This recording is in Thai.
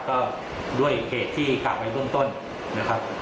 ก็ด้วยเหตุที่กลับไว้ต้นนะครับ